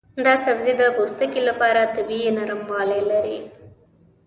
دا سبزی د پوستکي لپاره طبیعي نرموالی لري.